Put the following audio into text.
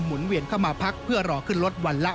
เวียนเข้ามาพักเพื่อรอขึ้นรถวันละ